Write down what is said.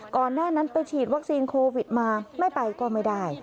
ก่อนหน้านั้นไปฉีดวัคซีนโควิดมาไม่ไปก็ไม่ได้